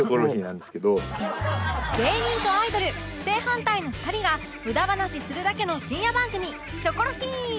芸人とアイドル正反対の２人が無駄話するだけの深夜番組